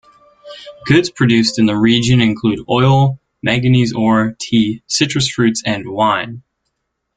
Goods produced in the region include oil, manganese ore, tea, citrus fruits, and wine.